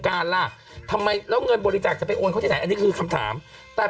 การล่ะทำไมแล้วเงินบริจาคจะไปโอนเขาที่ไหนอันนี้คือคำถามแต่